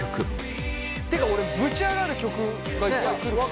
てか俺ぶち上がる曲が一回来るかなと。